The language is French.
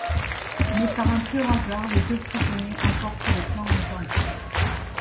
Mais, par un pur hasard, les deux prisonniers emportent les plans authentiques.